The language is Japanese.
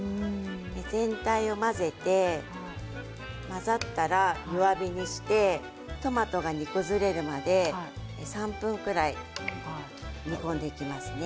全体を混ぜて混ざったら弱火にしてトマトが煮崩れるまで３分ぐらい煮込んでいきますね。